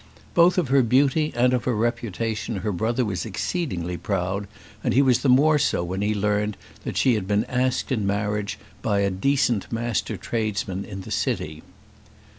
Both of her beauty and of her reputation her brother was exceedingly proud, and he was the more so when he learnt that she had been asked in marriage by a decent master tradesman in the city.